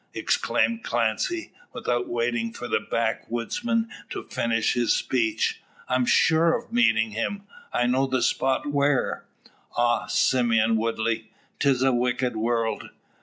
exclaimed Clancy, without waiting for the backwoodsman to finish his speech, "I'm sure of meeting him. I know the spot where. Ah, Simeon Woodley! 'tis a wicked world!